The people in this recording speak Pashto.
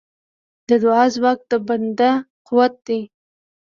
د دعا ځواک د بنده قوت دی.